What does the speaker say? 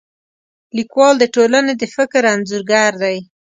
لیکوال د ټولنې د فکر انځورګر دی.